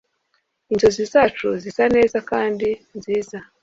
inzozi zacu zisa neza kandi nziza